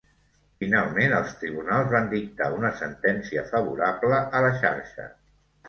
Finalment els tribunals van dictar una sentència favorable a la xarxa.